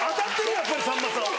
やっぱりさんまさん。